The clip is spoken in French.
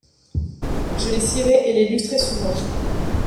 Je les cirais et les lustrais souvent.